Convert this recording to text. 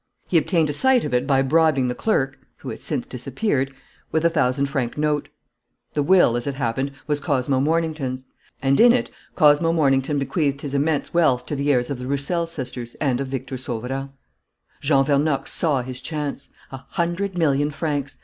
He obtained a sight of it by bribing the clerk, who has since disappeared, with a thousand franc note. The will, as it happened, was Cosmo Mornington's; and in it Cosmo Mornington bequeathed his immense wealth to the heirs of the Roussel sisters and of Victor Sauverand.... "Jean Vernocq saw his chance. A hundred million francs!